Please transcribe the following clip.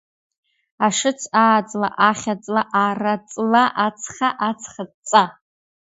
Ашыц, аа-ҵла, ахьа-ҵла, ара-ҵла, ацха, ацха-цәа.